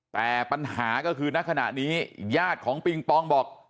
แต่ปัญหาก็คือณขณะนี้ญาติของปิงปองบอก